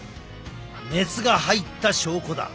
熱が入った証拠だ。